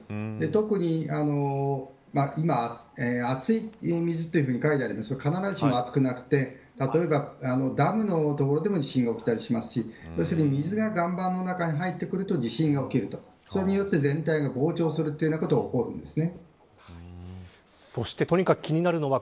特に今熱いお水と書いてありますが必ずしも熱くなくてダムの所でも地震が起きたりしますし要するに水が岩盤の中に入ってくると地震が起きるそれによって、全体が膨張するということが起こるんです。